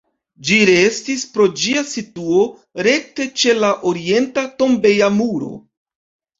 Ĝi restis pro ĝia situo rekte ĉe la orienta tombeja muro.